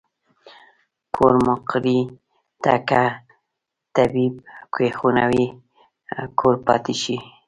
کور مقري ته کۀ طبيب کښېنوې کور پاتې شي